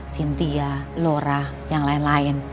sintia laura yang lain lain